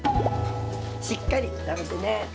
しっかり食べてね。